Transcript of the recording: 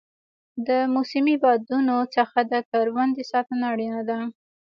د موسمي بادونو څخه د کروندې ساتنه اړینه ده.